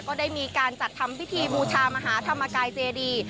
ก็ได้มีการจัดทำพิธีบูชามหาธรรมกายเจดี